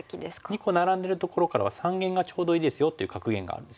２個ナラんでるところからは三間がちょうどいいですよっていう格言があるんですね。